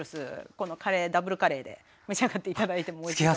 このカレーダブルカレーで召し上がって頂いてもおいしいと思います。